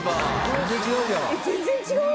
全然違う！